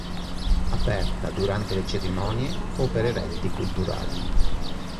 Aperta durante le cerimonie o per eventi culturali.